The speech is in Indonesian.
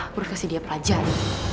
gue harus kasih dia pelajar